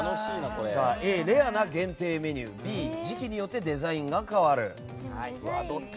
Ａ、レアな限定メニューＢ、時期によってデザインが変わる。